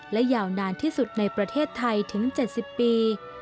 และยาวนานที่สุดในประเทศไทยถึง๗๐ปี